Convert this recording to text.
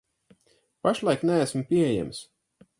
Pašlaik neesmu pieejams.